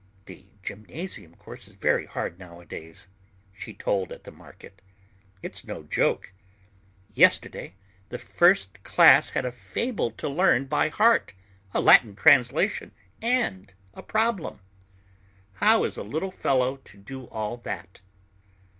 "The gymnasium course is very hard nowadays," she told at the market. "It's no joke. Yesterday the first class had a fable to learn by heart, a Latin translation, and a problem. How is a little fellow to do all that?"